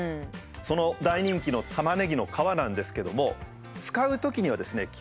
その大人気のタマネギの皮なんですけども使うときにはですね